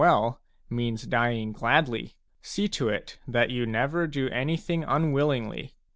well means dying gladly. See to it that you never do anything unwillingly.